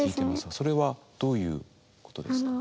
それはどういうことですか？